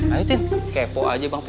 ayo tin kepo aja bang